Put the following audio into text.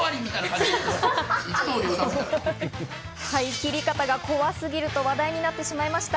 切り方が怖すぎると話題になってしまいました。